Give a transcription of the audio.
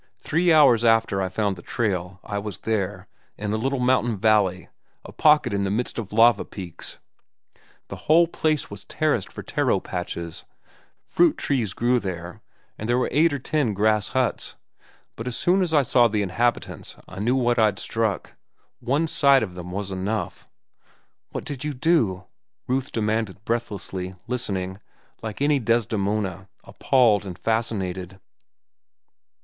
Three hours after I found the trail I was there, in a little mountain valley, a pocket in the midst of lava peaks. The whole place was terraced for taro patches, fruit trees grew there, and there were eight or ten grass huts. But as soon as I saw the inhabitants I knew what I'd struck. One sight of them was enough." "What did you do?" Ruth demanded breathlessly, listening, like any Desdemona, appalled and fascinated.